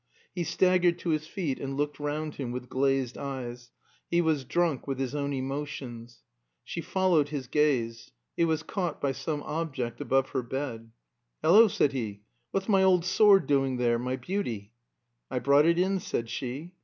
He staggered to his feet and looked round him with glazed eyes; he was drunk with his own emotions. She followed his gaze; it was caught by some object above her bed. "Hallo," said he, "what's my old sword doing there? My beauty!" "I brought it in," said she.